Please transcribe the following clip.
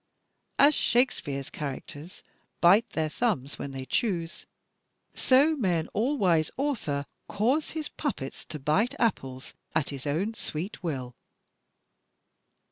As Shakespeare's characters bite their thumbs when they choose, so may an all wise author cause his puppets to bite apples at his own sweet will.